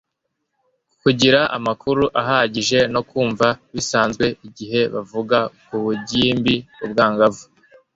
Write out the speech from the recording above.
kugira amakuru ahagije no kumva bisanzuye igihe bavuga ku bugimbiubwangavu